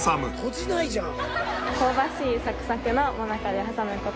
閉じないじゃん！